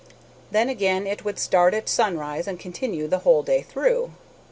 Then again it would start at sunrise and continue the whole day through.